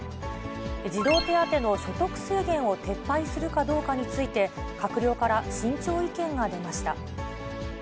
児童手当の所得制限を撤廃するかどうかについて、閣僚から慎重意見が出ました。